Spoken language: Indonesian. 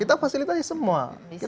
kita fasilitasi semua